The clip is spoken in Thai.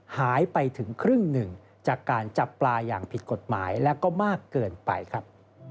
หายไปถึงครึ่งหนึ่งจากการจับปลาอย่างผิดกฎหมายและก็มากเกินไปครับ